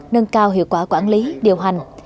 nâng cao hiệu quả quản lý điều hành